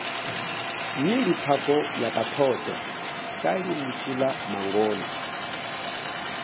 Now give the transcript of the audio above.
Yili phako yakathotho kalimutshila mangona.